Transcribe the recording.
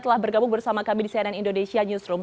telah bergabung bersama kami di cnn indonesia newsroom